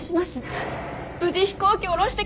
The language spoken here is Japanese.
無事飛行機を降ろしてください。